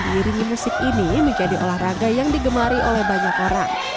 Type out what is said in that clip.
diringi musik ini menjadi olahraga yang digemari oleh banyak orang